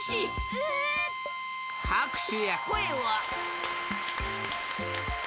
ううっ！はくしゅやこえは。